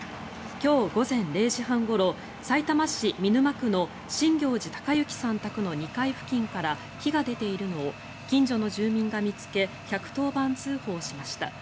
今日午前０時半ごろさいたま市見沼区の新行内隆之さん宅の２階付近から火が出ているのを近所の住民が見つけ１１０番通報しました。